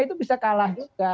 itu bisa kalah juga